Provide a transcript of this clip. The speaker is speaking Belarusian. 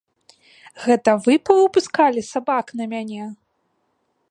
Гэта вы павыпускалі сабак на мяне?!